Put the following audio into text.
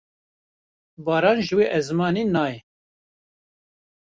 Baran ji wî esmanî nayê.